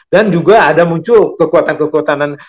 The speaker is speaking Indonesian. dan juga ada muncul kekuatan kekuatan